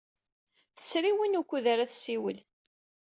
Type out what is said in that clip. Tesri win wukud ara tessiwel.